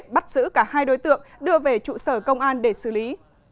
bắt giữ cả hai đối tượng đưa về trụ sở công an để xử lý